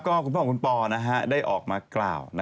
ก็พ่อของคุณพได้ออกมา